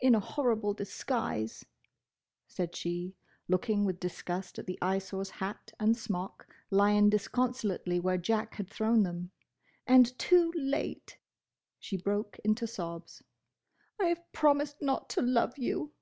"In a horrible disguise!" said she, looking with disgust at the Eyesore's hat and smock lying disconsolately where Jack had thrown them, "and too late!" She broke into sobs. "I have promised not to love you!"